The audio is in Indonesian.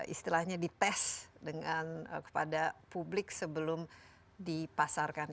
istilahnya di tes kepada publik sebelum dipasarkan